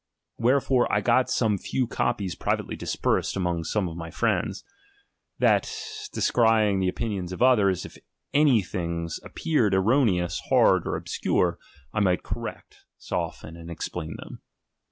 Wherefore I got some few copies privately dispersed among some of my friends ; that discry iing the opinions of others, if any things appeared ^ erroneous, hard, or obscure, I might correct, soften ^L:Hid exphiin them.